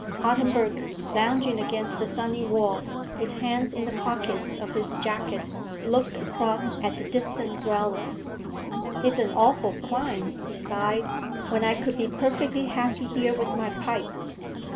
Ottenburg, lounging against the sunny wall, his hands in the pockets of his jacket, looked across at the distant dwellings. "It's an awful climb," he sighed, "when I could be perfectly happy here with my pipe.